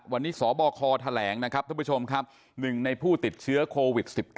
วันนี้สบคแถลงนะครับท่านผู้ชมครับ๑ในผู้ติดเชื้อโควิด๑๙